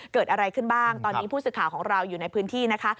เกิดอะไรขึ้นบ้างตอนนี้ผู้สื่อข่าวของเราอยู่ในพื้นที่นะคะ